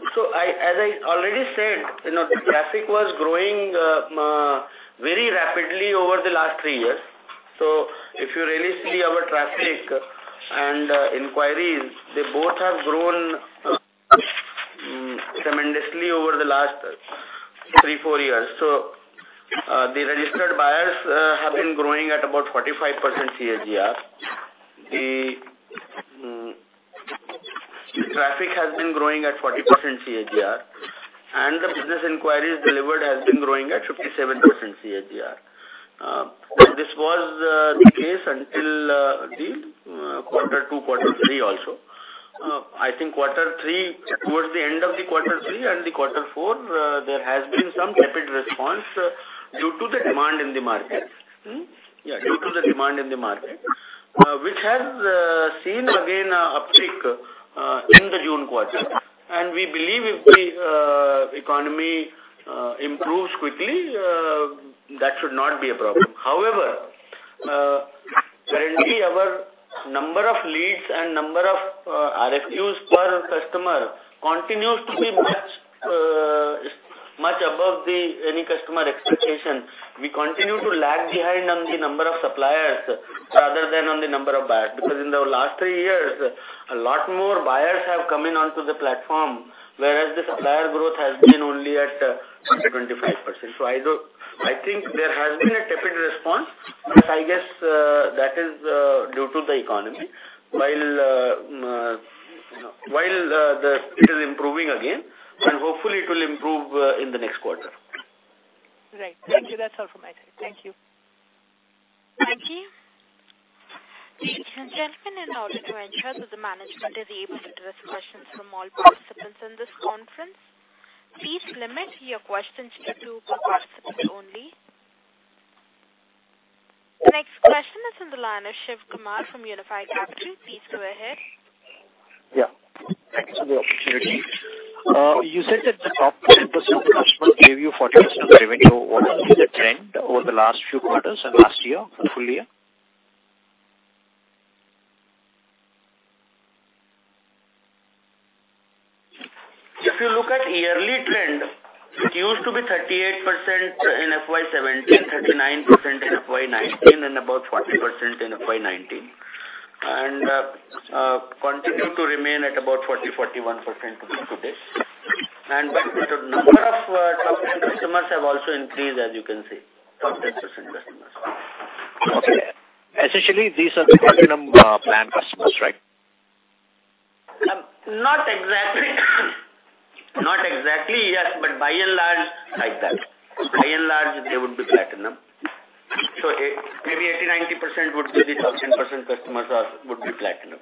As I already said, the traffic was growing very rapidly over the last three years. If you really see our traffic and inquiries, they both have grown tremendously over the last three, four years. The registered buyers have been growing at about 45% CAGR. The traffic has been growing at 40% CAGR, and the business inquiries delivered has been growing at 57% CAGR. This was the case until the quarter two, quarter three also. I think quarter three, towards the end of the quarter three and the quarter four, there has been some tepid response due to the demand in the market. Yeah, due to the demand in the market. Which has seen again a uptick in the June quarter. We believe if the economy improves quickly, that should not be a problem. However, currently our number of leads and number of RFQs per customer continues to be much above any customer expectation. We continue to lag behind on the number of suppliers rather than on the number of buyers. In the last three years, a lot more buyers have come in onto the platform, whereas the supplier growth has been only at 125%. I think there has been a tepid response, but I guess that is due to the economy. While it is improving again, and hopefully it will improve in the next quarter. Right. Thank you. That's all from my side. Thank you. Thank you. Gentlemen, in order to ensure that the management is able to address questions from all participants in this conference, please limit your questions to two per participant only. The next question is on the line of Shiv Kumar from Unifi Capital. Please go ahead. Yeah. Thank you for the opportunity. You said that the top 10% of customers gave you 40% of the revenue. What has been the trend over the last few quarters and last year, full year? If you look at yearly trend, it used to be 38% in FY 2017, 39% in FY 2019, and about 40% in FY 2019. Continue to remain at about 40%-41% even today. The number of top 10 customers have also increased, as you can see. Top 10 customers. Okay. Essentially, these are the platinum plan customers, right? Not exactly. Not exactly yet, but by and large, like that. By and large, they would be platinum. Maybe 80%, 90% would be the top 10% customers would be platinum.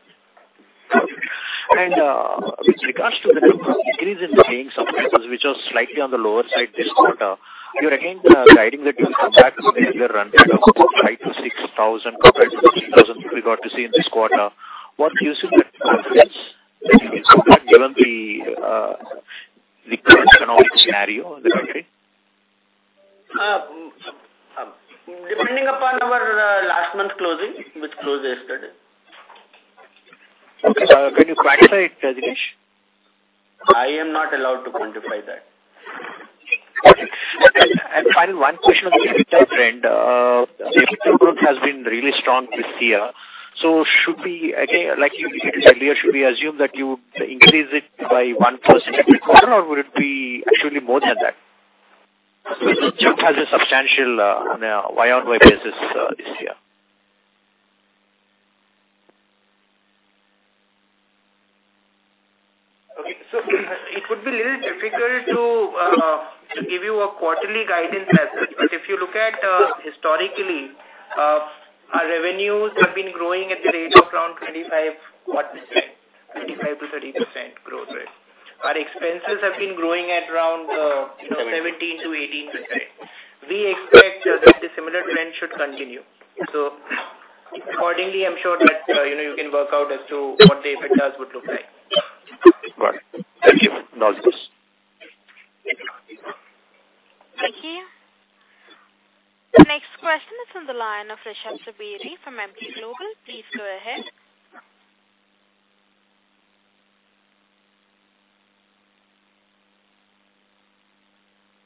With regards to the increase in the paying subscribers, which was slightly on the lower side this quarter, you were again guiding that you will come back to the earlier run rate of about 5,000-6,000 compared to 3,000 we got to see in this quarter. What gives you that confidence given the current economic scenario in the country? Depending upon our last month closing, which closed yesterday. Okay. Can you quantify it, Dinesh? I am not allowed to quantify that. Okay. Final one question on the EBITDA trend. EBITDA growth has been really strong this year. Should we, again, like you indicated earlier, should we assume that you would increase it by 1% every quarter or would it be actually more than that? It has been substantial on a Y-on-Y basis this year. Okay. It would be a little difficult to give you a quarterly guidance as such. If you look at historically, our revenues have been growing at the rate of around 25%, 25%-30% growth rate. Our expenses have been growing at around 17%-18%. We expect that the similar trend should continue. Accordingly, I'm sure that you can work out as to what the EBITDAs would look like. Got it. Thank you. Knowledge this. Thank you. The next question is on the line of Rishabh Suri from Emkay Global. Please go ahead.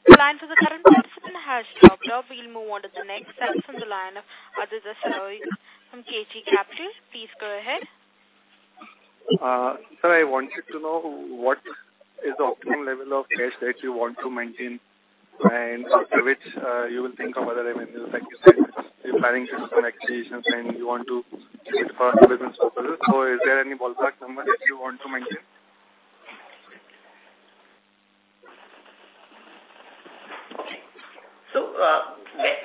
Line for the current person has dropped off. We'll move on to the next line from the line of Aditya Sirohi from K G Capital. Please go ahead. Sir, I wanted to know what is the optimum level of cash that you want to maintain and after which you will think of other avenues, like you said, you're planning to do some acquisitions and you want to use it for working capital. Is there any ballpark number that you want to maintain?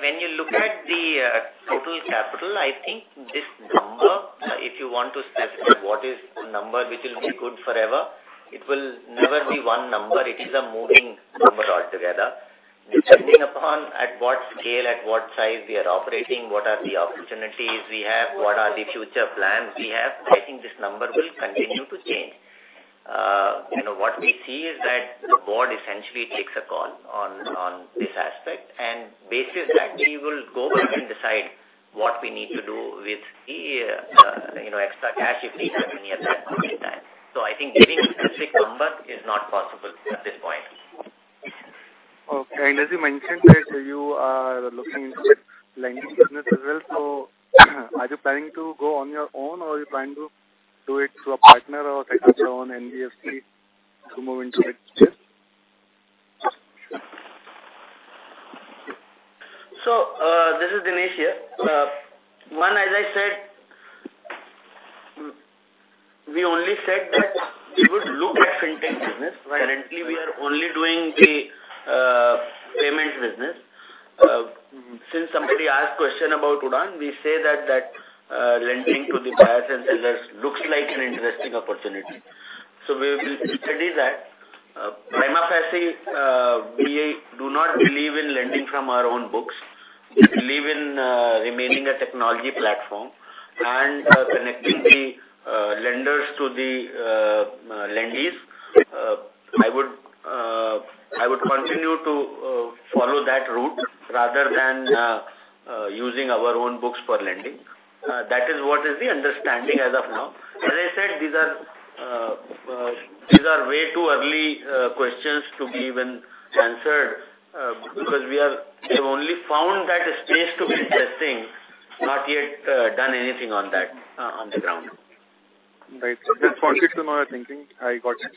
When you look at the total capital, I think this number, if you want to specify what is the number which will be good forever, it will never be one number. It is a moving number altogether. Depending upon at what scale, at what size we are operating, what are the opportunities we have, what are the future plans we have, I think this number will continue to change. What we see is that the board essentially takes a call on this aspect, and basis that we will go back and decide what we need to do with the extra cash if we have any at that point in time. I think giving a specific number is not possible at this point. Okay. As you mentioned that you are looking into lending business as well. Are you planning to go on your own or are you planning to do it through a partner or set up your own NBFC to move into that space? This is Dinesh here. One, as I said, we only said that we would look at FinTech business. Currently, we are only doing the payments business. Somebody asked question about Udaan, we say that that lending to the buyers and sellers looks like an interesting opportunity. We will study that. Prima facie, we do not believe in lending from our own books. We believe in remaining a technology platform and connecting the lenders to the lendees. I would continue to follow that route rather than using our own books for lending. That is what is the understanding as of now. As I said, these are way too early questions to be even answered because we have only found that space to be interesting, not yet done anything on that on the ground. Right. That was it to my thinking. I got it.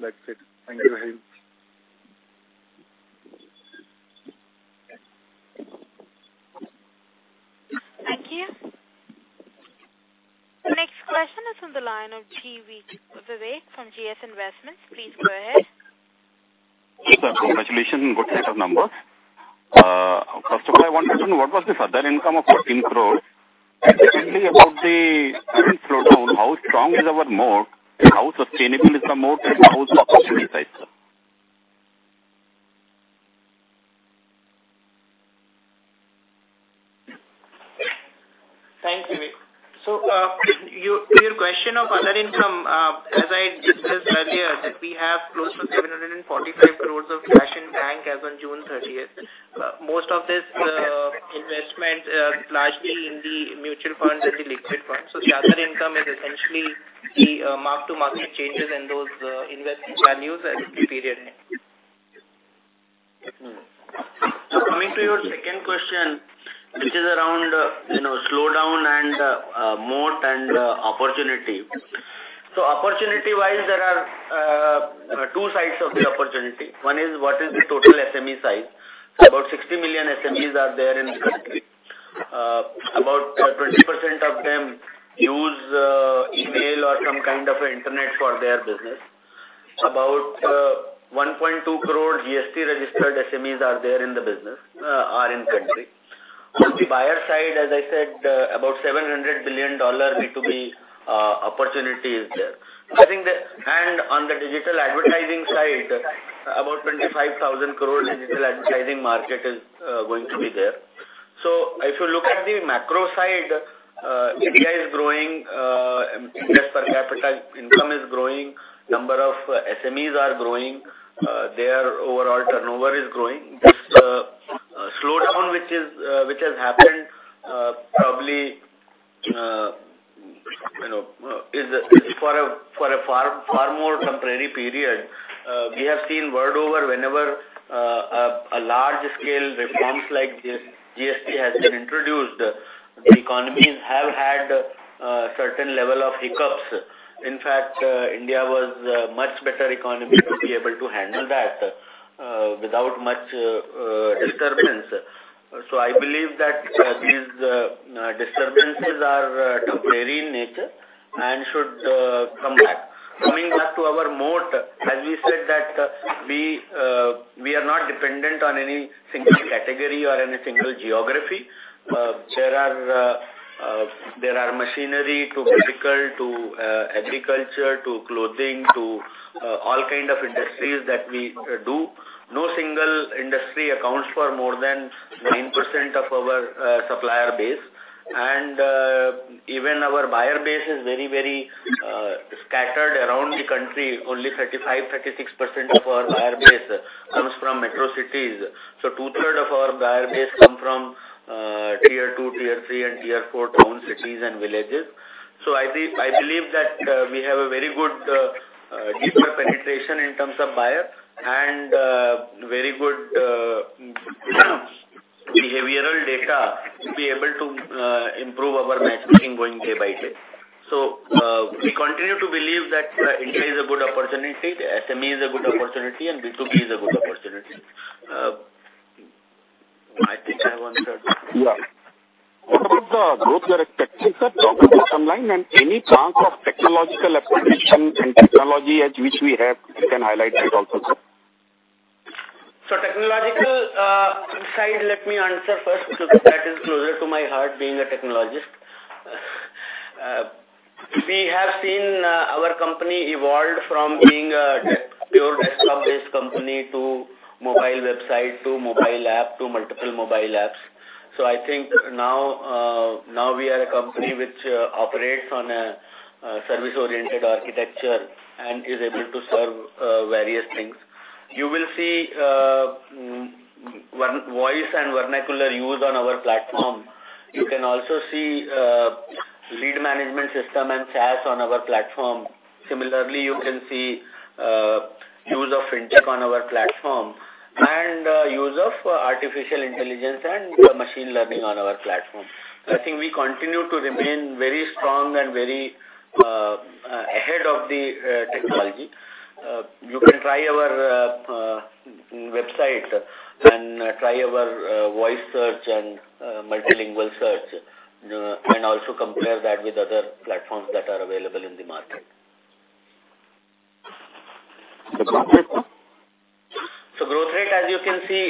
That's it. Thank you very much. Thank you. Next question is on the line of Vivek from GS Investments. Please go ahead. Yes, sir. Congratulations on good set of numbers. First of all, I wanted to know what was this other income of 14 crore. Secondly, about the current slowdown, how strong is our moat? How sustainable is the moat? How is the opportunity side, sir? Thank you, Vivek. Your question of other income, as I discussed earlier, we have close to 745 crore of cash in bank as on June 30th. Most of this investment largely in the mutual funds and the liquid funds. The other income is essentially the mark-to-market changes in those investment values at the period end. Coming to your second question, which is around slowdown and moat and opportunity. Opportunity-wise, there are two sides of the opportunity. One is what is the total SME size. About 60 million SMEs are there in the country. About 20% of them use email or some kind of internet for their business. About 1.2 crore GST-registered SMEs are in the country. On the buyer side, as I said, about $700 billion B2B opportunity is there. On the digital advertising side, about 25,000 crore digital advertising market is going to be there. If you look at the macro side, India is growing. Income per capita, income is growing, number of SMEs are growing, their overall turnover is growing. This slowdown, which has happened probably is for a far more temporary period. We have seen world over whenever a large-scale reform like this GST has been introduced, economies have had a certain level of hiccups. In fact, India was a much better economy to be able to handle that without much disturbance. I believe that these disturbances are temporary in nature and should come back. Coming back to our moat, as we said that we are not dependent on any single category or any single geography. There are machinery to medical to agriculture to clothing to all kind of industries that we do. No single industry accounts for more than 9% of our supplier base and even our buyer base is very scattered around the country. Only 35%-36% of our buyer base comes from metro cities. Two-third of our buyer base come from tier two, tier three and tier four towns, cities and villages. I believe that we have a very good deeper penetration in terms of buyers and very good behavioral data to be able to improve our matchmaking going day by day. We continue to believe that India is a good opportunity, SME is a good opportunity and B2B is a good opportunity. I think I wanted that. What about the growth you're expecting, sir? Geographical online and any chunk of technological acquisition and technology edge which we have, you can highlight that also, sir. Technological side, let me answer first because that is closer to my heart being a technologist. We have seen our company evolve from being a pure desktop-based company to mobile website to mobile app to multiple mobile apps. I think now we are a company which operates on a service-oriented architecture and is able to serve various things. You will see voice and vernacular used on our platform. You can also see lead management system and SaaS on our platform. Similarly, you can see use of FinTech on our platform and use of artificial intelligence and machine learning on our platform. I think we continue to remain very strong and very ahead of the technology. You can try our website and try our voice search and multilingual search and also compare that with other platforms that are available in the market. The growth rate, sir? Growth rate, as you can see,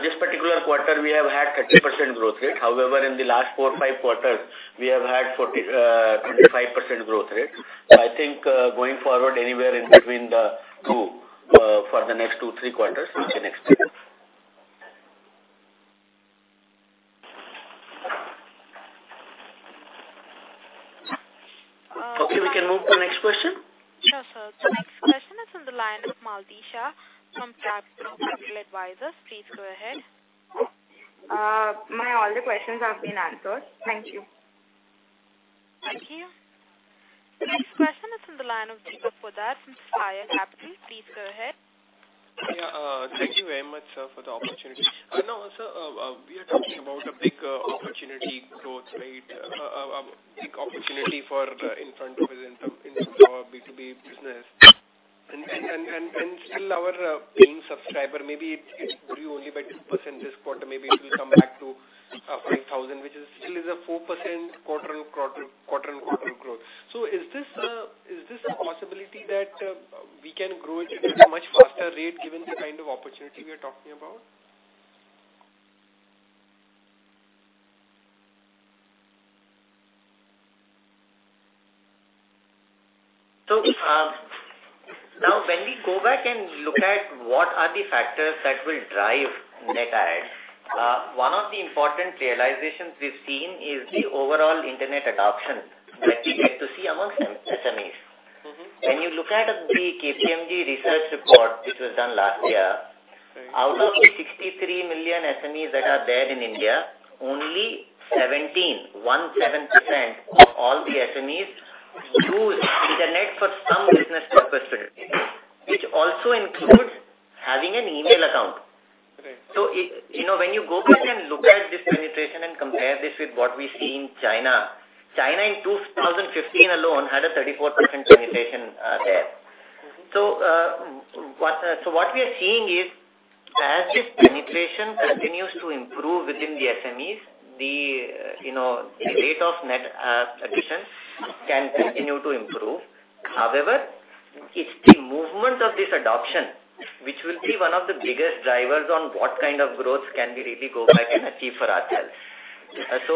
this particular quarter we have had 30% growth rate. However, in the last four, five quarters, we have had 25% growth rate. I think going forward anywhere in between the two for the next two, three quarters, we can expect. Okay. We can move to the next question. Sure, sir. The next question is on the line with Maldisha from Fab Pro Capital Advisors. Please go ahead. My all the questions have been answered. Thank you. Thank you. Next question is on the line of Deepak Poddar from Sapphire Capital. Please go ahead. Yeah. Thank you very much, sir, for the opportunity. Now, sir, we are talking about a big opportunity growth rate Big opportunity in front of us in terms of our B2B business. Still our paying subscriber, maybe it grew only by 2% this quarter, maybe it will come back to 5,000, which still is a 4% quarter-on-quarter growth. Is this a possibility that we can grow it at a much faster rate given the kind of opportunity we are talking about? Now when we go back and look at what are the factors that will drive net adds, one of the important realizations we've seen is the overall internet adoption that we get to see amongst SMEs. When you look at the KPMG research report, which was done last year, out of 63 million SMEs that are there in India, only 17% of all the SMEs use internet for some business purposes, which also includes having an email account. Right. When you go back and look at this penetration and compare this with what we see in China in 2015 alone had a 34% penetration there. What we are seeing is, as this penetration continues to improve within the SMEs, the rate of net additions can continue to improve. However, it's the movement of this adoption, which will be one of the biggest drivers on what kind of growth can we really go back and achieve for ourselves. Let's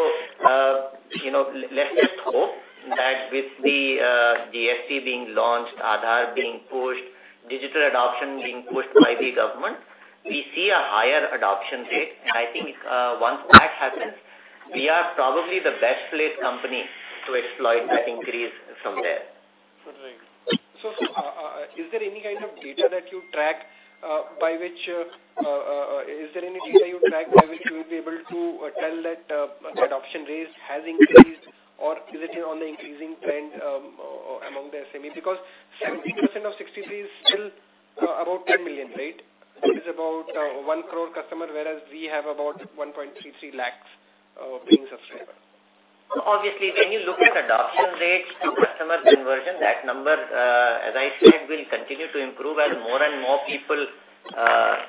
just hope that with the GST being launched, Aadhaar being pushed, digital adoption being pushed by the government, we see a higher adoption rate. I think, once that happens, we are probably the best-placed company to exploit that increase from there. Right. Is there any kind of data that you track by which you will be able to tell that adoption rate has increased, or is it on the increasing trend among the SME? 17% of 63 is still about 10 million, right? It is about 1 crore customer, whereas we have about 1.33 lakhs paying subscribers. Obviously, when you look at adoption rates to customer conversion, that number, as I said, will continue to improve as more and more people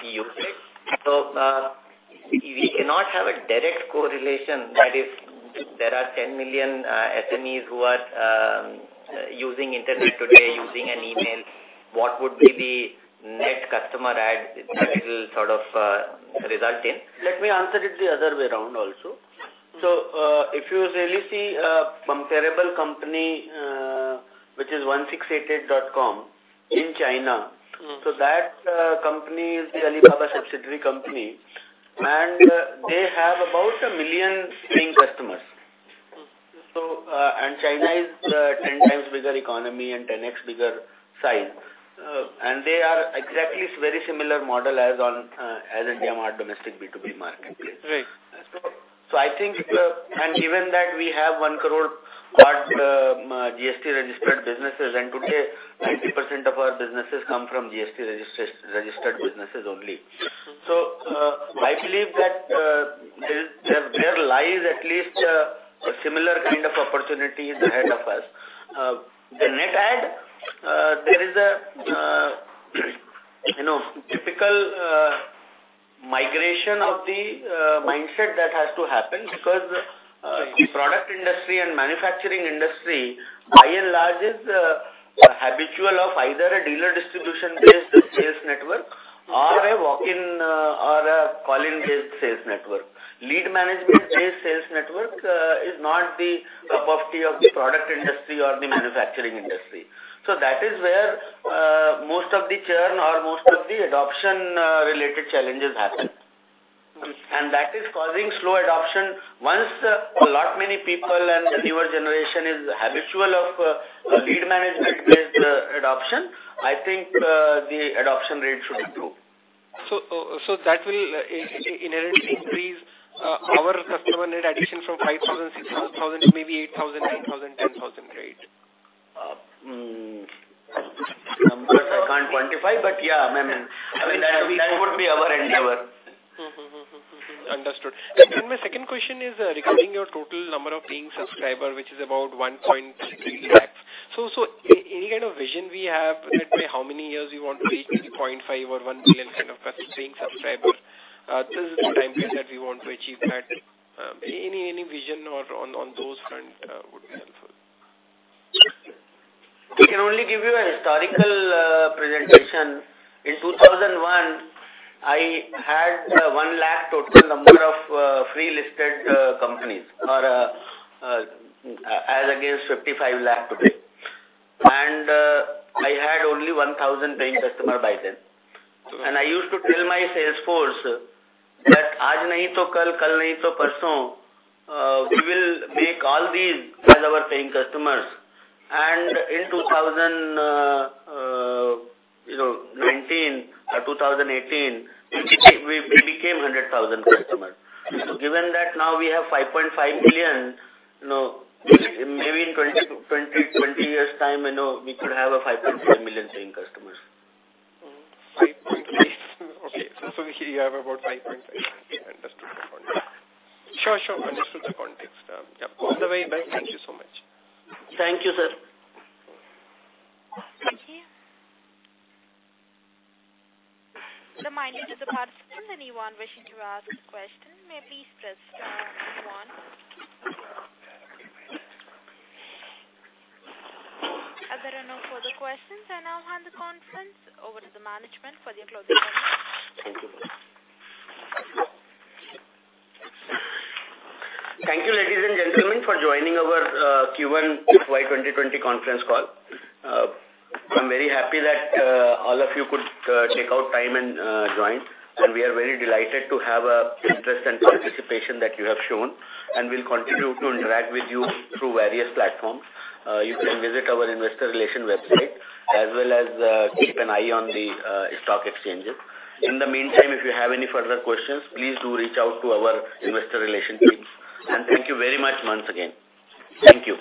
use it. We cannot have a direct correlation that if there are 10 million SMEs who are using internet today, using an email, what would be the net customer add that it'll sort of result in. Let me answer it the other way around also. If you really see a comparable company, which is 1688.com in China. That company is the Alibaba subsidiary company, and they have about one million paying customers. China is 10 times bigger economy and 10x bigger size. They are exactly very similar model as IndiaMART domestic B2B marketplace. Right. Given that we have one crore odd GST-registered businesses, and today 90% of our businesses come from GST-registered businesses only. I believe that there lies at least a similar kind of opportunity ahead of us. The net add, there is a typical migration of the mindset that has to happen because the product industry and manufacturing industry, by and large, is habitual of either a dealer distribution-based sales network or a walk-in or a call-in-based sales network. Lead management-based sales network is not the cup of tea of the product industry or the manufacturing industry. That is where most of the churn or most of the adoption-related challenges happen. That is causing slow adoption. Once a lot many people and the newer generation is habitual of lead management-based adoption, I think the adoption rate should improve. That will inherently increase our customer net addition from 5,000, 6,000, maybe 8,000, 9,000, 10,000. Right? Numbers I can't quantify, but yeah. That would be our endeavor. Understood. My second question is regarding your total number of paying subscribers, which is about 1.3 lakhs. Any kind of vision we have, let's say how many years you want to reach 2.5 or one million kind of paying subscribers? This is the timeframe that we want to achieve that. Any vision on those front would be helpful. We can only give you a historical presentation. In 2001, I had 1 lakh total number of free-listed companies as against 55 lakh today. I had only 1,000 paying customers back then. I used to tell my sales force that "If not today, then tomorrow. If not tomorrow, then the day after." We will make all these as our paying customers. In 2019 or 2018, we became 100,000 customers. Given that now we have 5.5 million, maybe in 20 years' time, we could have 5.5 million paying customers. Okay. You have about 5.5 million. Understood the point. Sure. Understood the context. Yep. All the way. Thank you so much. Thank you, sir. Thank you. The line is open to participants. Anyone wishing to ask a question, may please press star one on your phone. If there are no further questions, I now hand the conference over to the management for their closing comments. Thank you. Thank you, ladies and gentlemen, for joining our Q1 FY 2020 conference call. I'm very happy that all of you could take out time and join. We are very delighted to have the interest and participation that you have shown. We'll continue to interact with you through various platforms. You can visit our investor relation website as well as keep an eye on the stock exchanges. In the meantime, if you have any further questions, please do reach out to our investor relation teams. Thank you very much once again. Thank you.